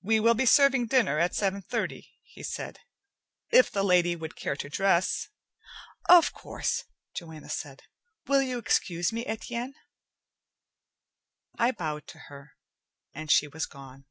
"We will be serving dinner at seven thirty," he said. "If the lady would care to dress " "Of course," Joanna said. "Will you excuse me, Etienne?" I bowed to her, and she was gone.